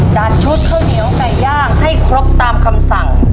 จัดชุดข้าวเหนียวไก่ย่างให้ครบตามคำสั่ง